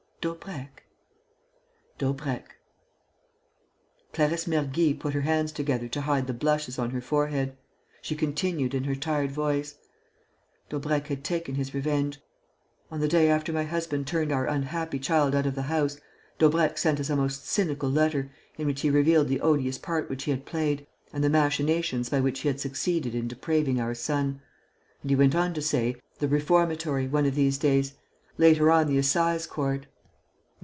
"Daubrecq?" "Daubrecq." Clarisse Mergy put her hands together to hide the blushes on her forehead. She continued, in her tired voice: "Daubrecq had taken his revenge. On the day after my husband turned our unhappy child out of the house, Daubrecq sent us a most cynical letter in which he revealed the odious part which he had played and the machinations by which he had succeeded in depraving our son. And he went on to say, 'The reformatory, one of these days.... Later on, the assize court....